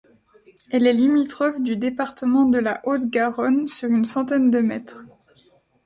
Elle est limitrophe du département de la Haute-Garonne sur une centaine de mètres.